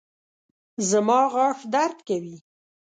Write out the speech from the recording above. زما غاښ درد کوي